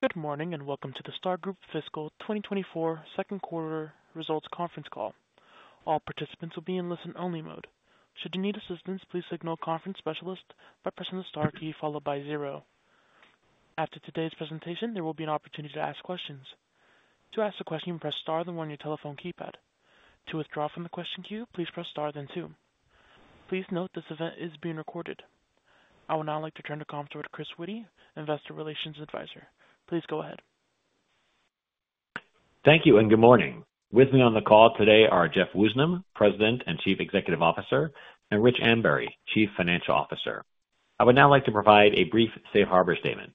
Good morning and welcome to the Star Group Fiscal 2024 second quarter results conference call. All participants will be in listen-only mode. Should you need assistance, please signal "Conference Specialist" by pressing the star key followed by 0. After today's presentation, there will be an opportunity to ask questions. To ask a question, you can press star then one on your telephone keypad. To withdraw from the question queue, please press star then two. Please note this event is being recorded. I would now like to turn the call over to Chris Witty, Investor Relations Advisor. Please go ahead. Thank you and good morning. With me on the call today are Jeff Woosnam, President and Chief Executive Officer, and Rich Ambury, Chief Financial Officer. I would now like to provide a brief Safe Harbor Statement.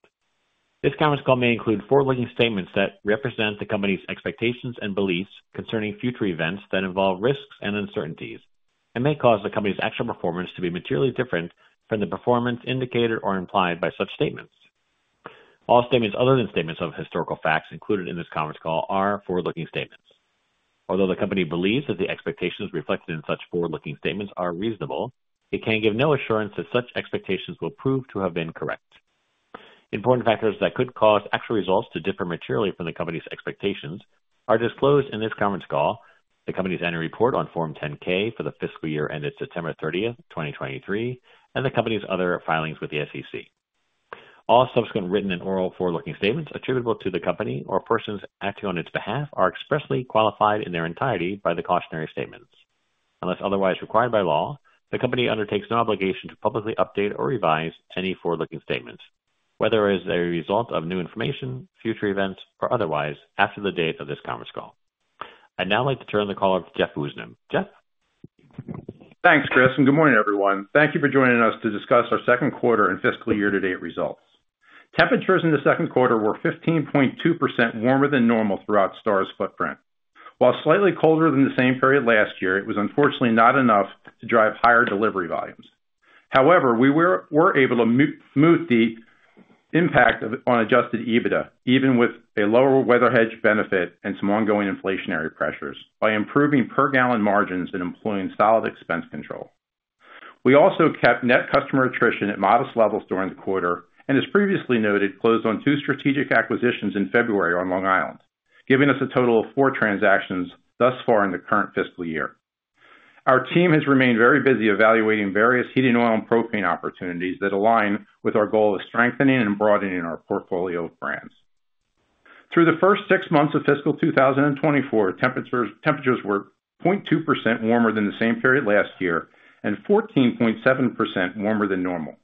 This conference call may include forward-looking statements that represent the company's expectations and beliefs concerning future events that involve risks and uncertainties and may cause the company's actual performance to be materially different from the performance indicated or implied by such statements. All statements other than statements of historical facts included in this conference call are forward-looking statements. Although the company believes that the expectations reflected in such forward-looking statements are reasonable, it can give no assurance that such expectations will prove to have been correct. Important factors that could cause actual results to differ materially from the company's expectations are disclosed in this conference call: the company's annual report on Form 10-K for the fiscal year ended September 30th, 2023, and the company's other filings with the SEC. All subsequent written and oral forward-looking statements attributable to the company or persons acting on its behalf are expressly qualified in their entirety by the cautionary statements. Unless otherwise required by law, the company undertakes no obligation to publicly update or revise any forward-looking statements, whether as a result of new information, future events, or otherwise after the date of this conference call. I'd now like to turn the call over to Jeff Woosnam. Jeff? Thanks, Chris, and good morning, everyone. Thank you for joining us to discuss our second quarter and fiscal year-to-date results. Temperatures in the second quarter were 15.2% warmer than normal throughout Star's footprint. While slightly colder than the same period last year, it was unfortunately not enough to drive higher delivery volumes. However, we were able to smooth the impact on Adjusted EBITDA even with a lower weather hedge benefit and some ongoing inflationary pressures by improving per-gallon margins and employing solid expense control. We also kept net customer attrition at modest levels during the quarter and, as previously noted, closed on 2 strategic acquisitions in February on Long Island, giving us a total of 4 transactions thus far in the current fiscal year. Our team has remained very busy evaluating various heating oil and propane opportunities that align with our goal of strengthening and broadening our portfolio of brands. Through the first six months of fiscal 2024, temperatures were 0.2% warmer than the same period last year and 14.7% warmer than normal.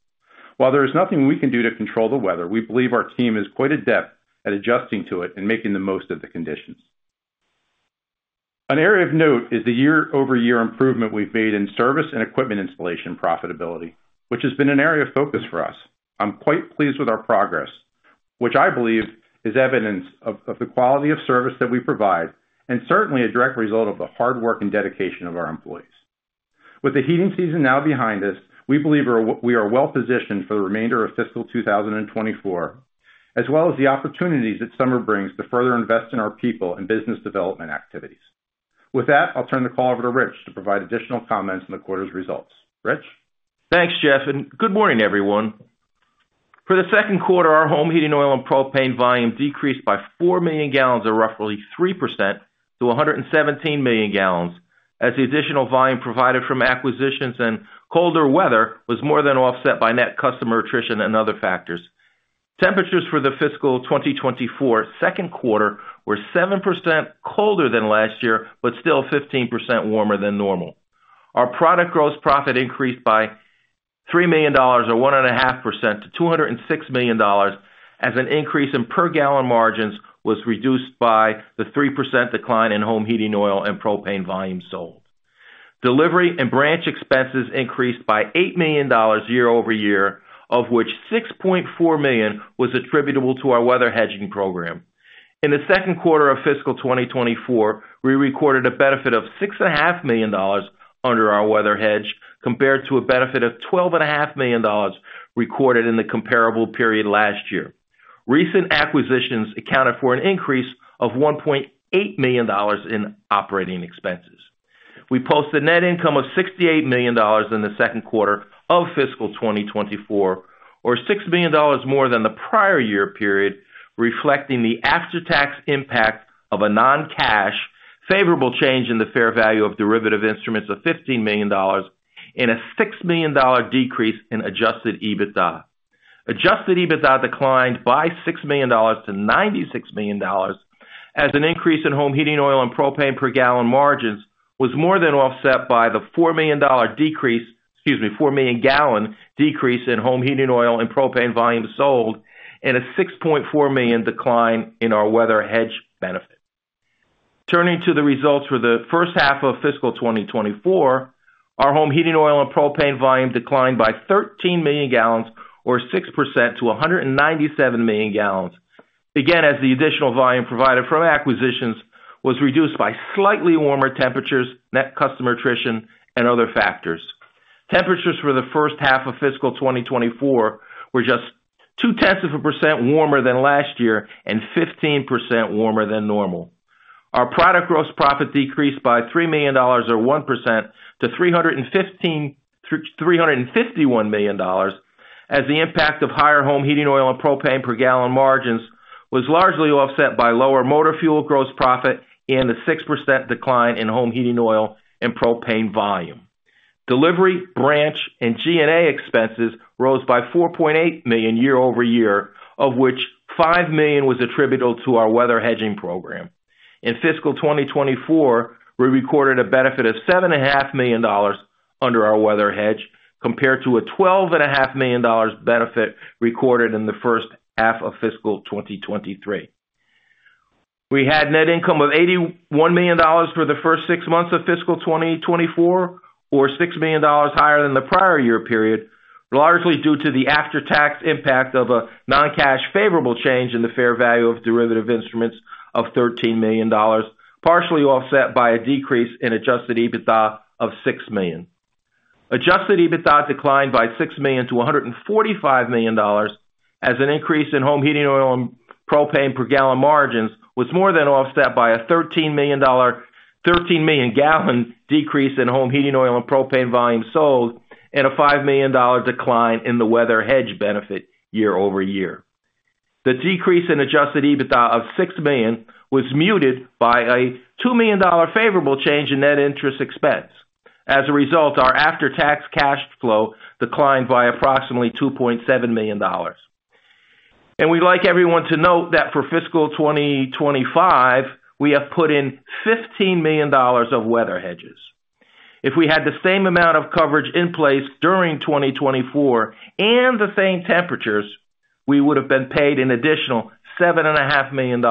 While there is nothing we can do to control the weather, we believe our team is quite adept at adjusting to it and making the most of the conditions. An area of note is the year-over-year improvement we've made in service and equipment installation profitability, which has been an area of focus for us. I'm quite pleased with our progress, which I believe is evidence of the quality of service that we provide and certainly a direct result of the hard work and dedication of our employees. With the heating season now behind us, we believe we are well positioned for the remainder of fiscal 2024 as well as the opportunities that summer brings to further invest in our people and business development activities. With that, I'll turn the call over to Rich to provide additional comments on the quarter's results. Rich? Thanks, Jeff, and good morning, everyone. For the second quarter, our home heating oil and propane volume decreased by 4 million gallons or roughly 3% to 117 million gallons as the additional volume provided from acquisitions and colder weather was more than offset by net customer attrition and other factors. Temperatures for the fiscal 2024 second quarter were 7% colder than last year but still 15% warmer than normal. Our product gross profit increased by $3 million or 1.5% to $206 million as an increase in per-gallon margins was reduced by the 3% decline in home heating oil and propane volume sold. Delivery and branch expenses increased by $8 million year-over-year, of which $6.4 million was attributable to our weather hedging program. In the second quarter of fiscal 2024, we recorded a benefit of $6.5 million under our weather hedge compared to a benefit of $12.5 million recorded in the comparable period last year. Recent acquisitions accounted for an increase of $1.8 million in operating expenses. We posted net income of $68 million in the second quarter of fiscal 2024, or $6 million more than the prior year period, reflecting the after-tax impact of a non-cash favorable change in the fair value of derivative instruments of $15 million and a $6 million decrease in Adjusted EBITDA. Adjusted EBITDA declined by $6 million to $96 million as an increase in home heating oil and propane per-gallon margins was more than offset by the 4-million-gallon decrease in home heating oil and propane volume sold and a $6.4 million decline in our weather hedge benefit. Turning to the results for the first half of fiscal 2024, our home heating oil and propane volume declined by 13 million gallons or 6% to 197 million gallons, again as the additional volume provided from acquisitions was reduced by slightly warmer temperatures, net customer attrition, and other factors. Temperatures for the first half of fiscal 2024 were just 0.2% warmer than last year and 15% warmer than normal. Our product gross profit decreased by $3 million or 1% to $351 million as the impact of higher home heating oil and propane per-gallon margins was largely offset by lower motor fuel gross profit and the 6% decline in home heating oil and propane volume. Delivery, branch, and G&A expenses rose by $4.8 million year-over-year, of which $5 million was attributable to our weather hedging program. In fiscal 2024, we recorded a benefit of $7.5 million under our weather hedge compared to a $12.5 million benefit recorded in the first half of fiscal 2023. We had net income of $81 million for the first six months of fiscal 2024 or $6 million higher than the prior year period, largely due to the after-tax impact of a non-cash favorable change in the fair value of derivative instruments of $13 million, partially offset by a decrease in Adjusted EBITDA of $6 million. Adjusted EBITDA declined by $6 million to $145 million as an increase in home heating oil and propane per-gallon margins was more than offset by a 13 million gallon decrease in home heating oil and propane volume sold and a $5 million decline in the weather hedge benefit year-over-year. The decrease in Adjusted EBITDA of $6 million was muted by a $2 million favorable change in net interest expense. As a result, our after-tax cash flow declined by approximately $2.7 million. We'd like everyone to note that for fiscal 2025, we have put in $15 million of weather hedges. If we had the same amount of coverage in place during 2024 and the same temperatures, we would have been paid an additional $7.5 million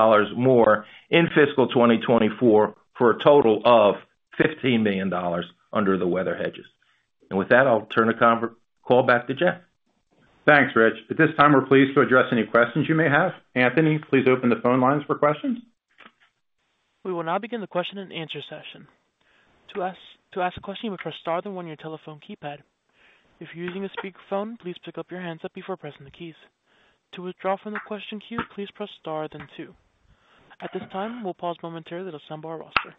more in fiscal 2024 for a total of $15 million under the weather hedges. With that, I'll turn the call back to Jeff. Thanks, Rich. At this time, we're pleased to address any questions you may have. Anthony, please open the phone lines for questions. We will now begin the question and answer session. To ask a question, you may press star then one on your telephone keypad. If you're using a speakerphone, please pick up your hands up before pressing the keys. To withdraw from the question queue, please press star then two. At this time, we'll pause momentarily to assemble our roster.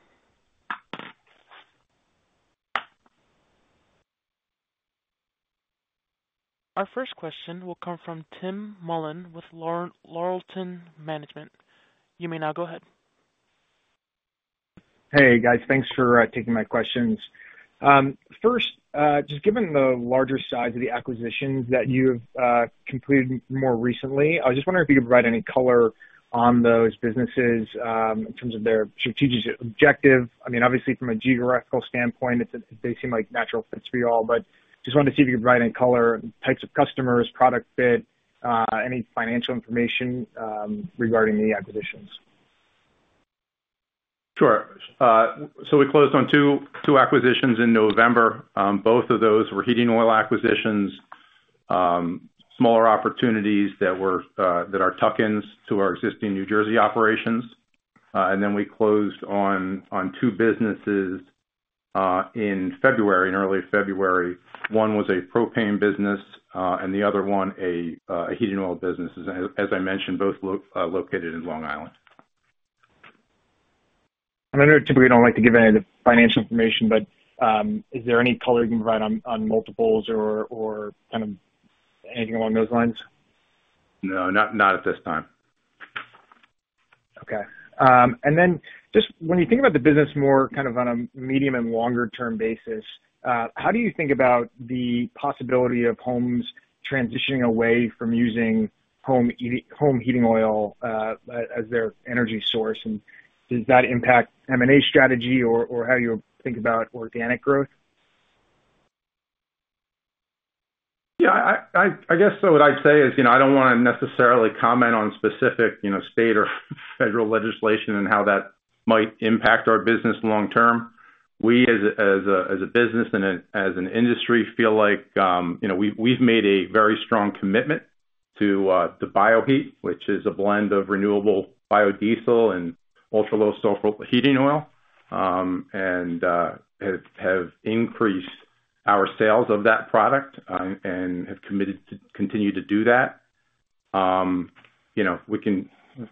Our first question will come from Tim Mullen with Laurelton Management. You may now go ahead. Hey, guys. Thanks for taking my questions. First, just given the larger size of the acquisitions that you have completed more recently, I was just wondering if you could provide any color on those businesses in terms of their strategic objective. I mean, obviously, from a geographical standpoint, they seem like natural fits for you all, but just wanted to see if you could provide any color, types of customers, product bit, any financial information regarding the acquisitions. Sure. We closed on two acquisitions in November. Both of those were heating oil acquisitions, smaller opportunities that are tuck-ins to our existing New Jersey operations. Then we closed on two businesses in February, in early February. One was a propane business and the other one a heating oil business. As I mentioned, both located in Long Island. I know you typically don't like to give any of the financial information, but is there any color you can provide on multiples or kind of anything along those lines? No, not at this time. Okay. And then just when you think about the business more kind of on a medium and longer-term basis, how do you think about the possibility of homes transitioning away from using home heating oil as their energy source? And does that impact M&A strategy or how you think about organic growth? Yeah, I guess what I'd say is I don't want to necessarily comment on specific state or federal legislation and how that might impact our business long term. We, as a business and as an industry, feel like we've made a very strong commitment to Bioheat, which is a blend of renewable biodiesel and ultra-low sulfur heating oil, and have increased our sales of that product and have committed to continue to do that.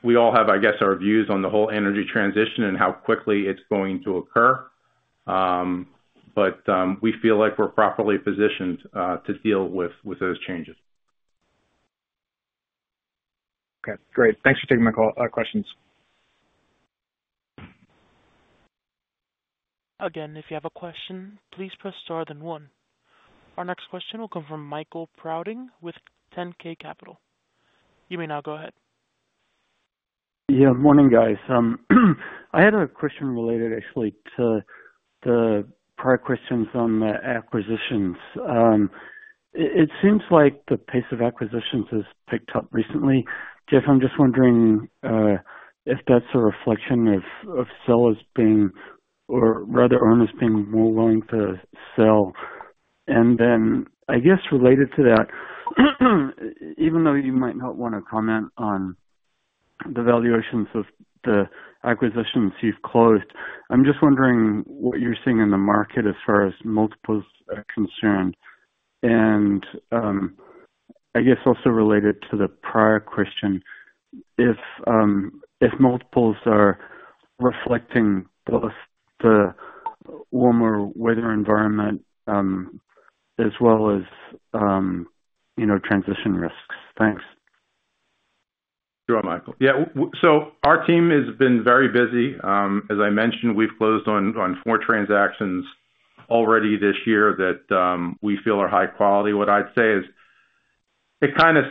We all have, I guess, our views on the whole energy transition and how quickly it's going to occur, but we feel like we're properly positioned to deal with those changes. Okay. Great. Thanks for taking my questions. Again, if you have a question, please press star then one. Our next question will come from Michael Prouting with 10K Capital. You may now go ahead. Yeah, good morning, guys. I had a question related, actually, to the prior questions on the acquisitions. It seems like the pace of acquisitions has picked up recently. Jeff, I'm just wondering if that's a reflection of sellers being, or rather, owners being more willing to sell. Then I guess related to that, even though you might not want to comment on the valuations of the acquisitions you've closed, I'm just wondering what you're seeing in the market as far as multiples are concerned. I guess also related to the prior question, if multiples are reflecting both the warmer weather environment as well as transition risks. Thanks. Sure, Michael. Yeah. So our team has been very busy. As I mentioned, we've closed on 4 transactions already this year that we feel are high quality. What I'd say is it kind of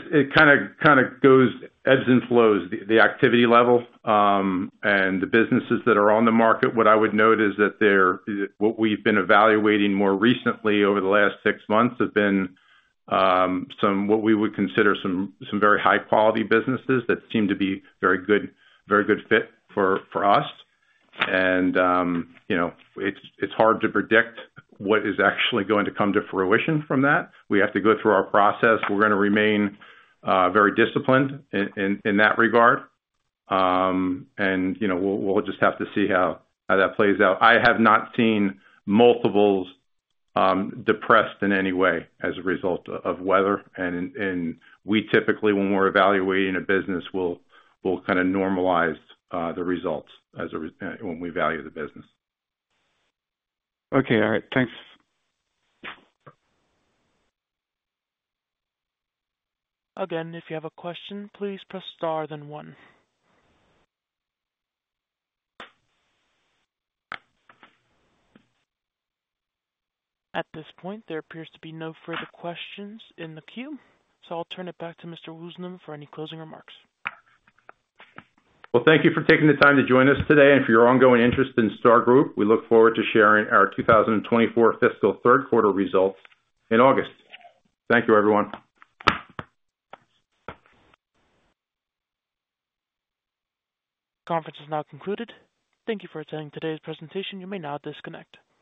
ebbs and flows, the activity level and the businesses that are on the market. What I would note is that what we've been evaluating more recently over the last 6 months have been what we would consider some very high-quality businesses that seem to be a very good fit for us. And it's hard to predict what is actually going to come to fruition from that. We have to go through our process. We're going to remain very disciplined in that regard. And we'll just have to see how that plays out. I have not seen multiples depressed in any way as a result of weather. We typically, when we're evaluating a business, we'll kind of normalize the results when we value the business. Okay. All right. Thanks. Again, if you have a question, please press star then one. At this point, there appears to be no further questions in the queue. So I'll turn it back to Mr. Woosnam for any closing remarks. Well, thank you for taking the time to join us today. And for your ongoing interest in Star Group, we look forward to sharing our 2024 fiscal third-quarter results in August. Thank you, everyone. Conference is now concluded. Thank you for attending today's presentation. You may now disconnect.